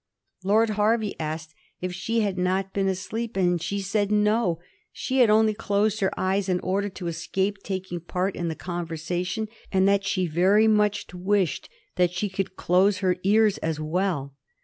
Lord Hervey asked if she had not been asleep; she said no; she had only closed her eyes in order to escape taking part in the conversation, and that she very much wished she could close her ears as well.